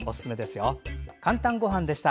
「かんたんごはん」でした。